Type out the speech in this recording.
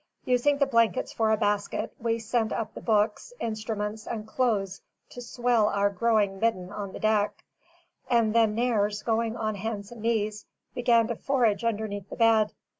Using the blankets for a basket, we sent up the books, instruments, and clothes to swell our growing midden on the deck; and then Nares, going on hands and knees, began to forage underneath the bed.